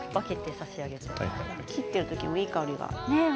切ってる時もいい香りが。